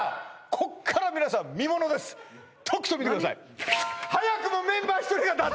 こっから皆さん見ものですとくと見てください何？